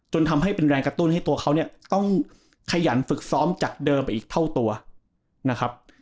ทำให้เป็นแรงกระตุ้นให้ตัวเขาเนี่ยต้องขยันฝึกซ้อมจากเดิมไปอีกเท่าตัวนะครับ